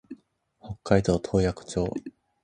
北海道洞爺湖町